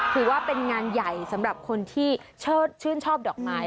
ถือว่าเป็นงานใหญ่สำหรับคนที่ชื่นชอบดอกไม้